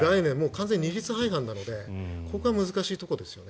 完全に二律背反なのでここは難しいところですね。